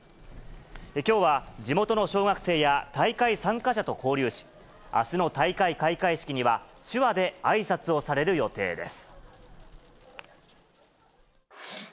きょうは、地元の小学生や大会参加者と交流し、あすの大会開会式には、お天気は杉江さんです。